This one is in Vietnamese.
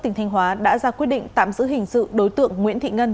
tỉnh thanh hóa đã ra quyết định tạm giữ hình sự đối tượng nguyễn thị ngân